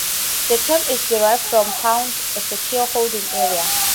The term is derived from "pound," a secured holding area.